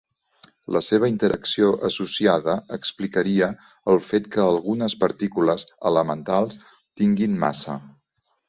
La seva interacció associada explicaria el fet que algunes partícules elementals tinguin massa.